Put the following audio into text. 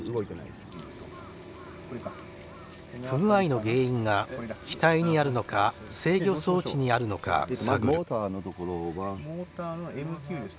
不具合の原因が機体にあるのか制御装置にあるのか探る。